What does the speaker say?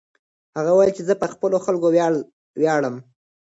هغه وویل چې زه په خپلو خلکو ویاړم.